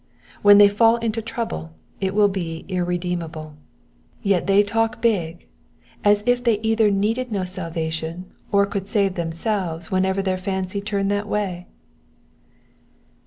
When they fall into trouble it will bo irremediable. Yet they talk big, as if they either needed no salvation or could save themselves whenever their fancy turned that way.